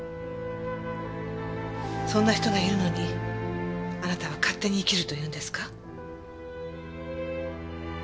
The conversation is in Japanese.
そんな人がいるのにあなたは勝手に生きるというんですか？